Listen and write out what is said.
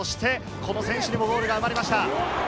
この選手にもゴールが生まれました。